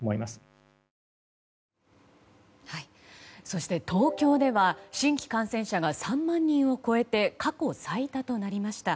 そして、東京では新規感染者が３万人を超えて過去最多となりました。